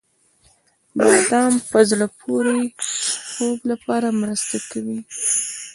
• بادام د په زړه پورې خوب لپاره مرسته کوي.